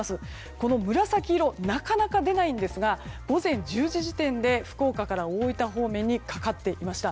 この紫色なかなか見られませんが午前１１時時点で福岡から大分方面にかかっていました。